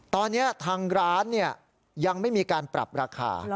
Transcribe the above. ตอนนี้ทางร้านยังไม่มีการปรับราคา